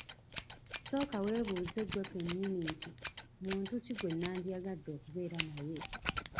Sooka weebuuze ggwe kennyini nti, “muntu ki gwe nandyagadde okubeera naye?